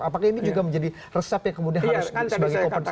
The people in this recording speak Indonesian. apakah ini juga menjadi resep yang kemudian harus sebagai kompetensi